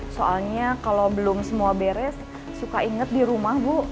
soalnya kalau belum semua beres suka ingat di rumah bu